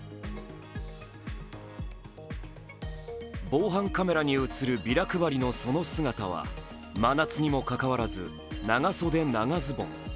防犯カメラに映るビラ配りのその姿は真夏にもかかわらず、長袖・長ズボン。